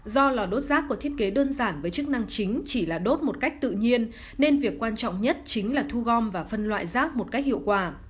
do lò đốt rác có thiết kế đơn giản với chức năng chính chỉ là đốt một cách tự nhiên nên việc quan trọng nhất chính là thu gom và phân loại rác một cách hiệu quả